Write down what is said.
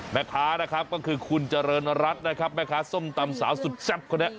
แม่ค้านะครับก็คือคุณเจริญรัฐนะครับแม่ค้าส้มตำสาวสุดแซ่บคนนี้